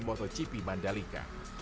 jepang botocipi madalika